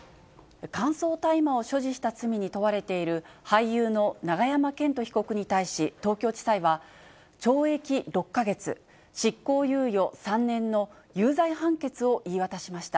乾燥大麻を所持した罪に問われている俳優の永山絢斗被告に対し東京地裁は、懲役６か月、執行猶予３年の有罪判決を言い渡しました。